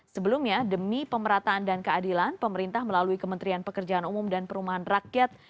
sebelumnya demi pemerataan dan keadilan pemerintah melalui kementerian pekerjaan umum dan perumahan rakyat